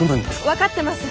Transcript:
分かってます！